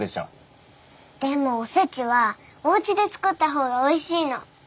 でもおせちはおうちで作ったほうがおいしいの。